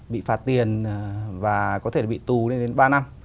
bị phạt tiền và có thể bị tù lên đến ba năm